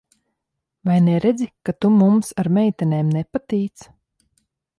Vai neredzi, ka tu mums ar meitenēm nepatīc?